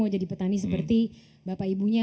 mau jadi petani seperti bapak ibunya